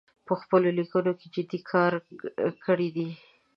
په خپلو لیکنو کې جدي کار کړی دی